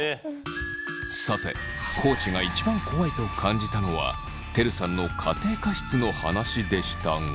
さて地が一番怖いと感じたのはてるさんの家庭科室の話でしたが。